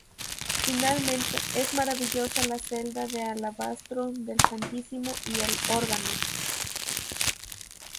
Finalmente, es maravillosa la celda de alabastro del Santísimo y el órgano.